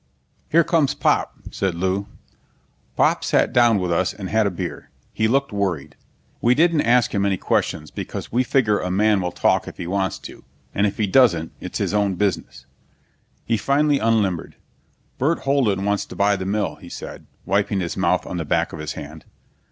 "Here comes Pop," said Lew. Pop sat down with us and had a beer. He looked worried. We didn't ask him any questions, because we figure a man will talk if he wants to, and if he doesn't it's his own business. He finally unlimbered. "Burt Holden wants to buy the mill," he said, wiping his mouth on the back of his hand.